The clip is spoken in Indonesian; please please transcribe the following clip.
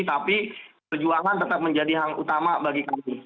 tapi perjuangan tetap menjadi yang utama bagi kami